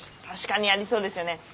確かにありそうですよね。